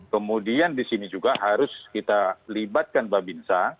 kemudian di sini juga harus kita libatkan babinsa